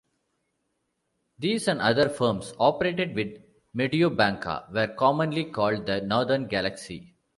These and other firms operated with Mediobanca were commonly called the 'Northern Galaxy'.